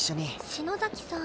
篠崎さん。